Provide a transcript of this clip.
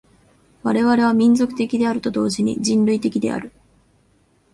我々は民族的であると同時に人類的である。